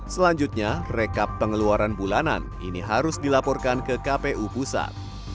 selanjutnya rekap pengeluaran bulanan ini harus dilaporkan ke kpu pusat